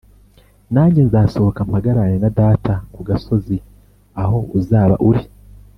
Nanjye nzasohoka mpagararane na data ku gasozi aho uzaba uri